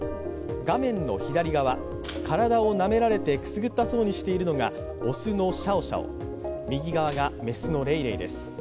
画面の左側、体をなめられてくすぐっそうにしているのが雄のシャオシャオ、右側が雌のレイレイです。